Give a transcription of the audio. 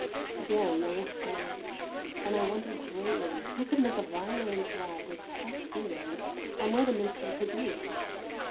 Again there was silence, and I wondered greatly who could make a violin throb with such feeling, and where the minstrel could be.